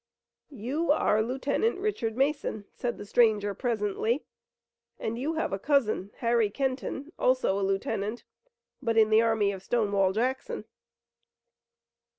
"You are Lieutenant Richard Mason," said the stranger presently, "and you have a cousin, Harry Kenton, also a lieutenant, but in the army of Stonewall Jackson."